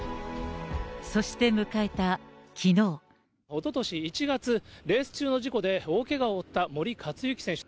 おととし１月、レース中の事故で大けがを負った森且行選手。